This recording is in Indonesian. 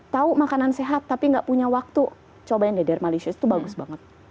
tahu makanan sehat tapi nggak punya waktu cobain deh dermalicious itu bagus banget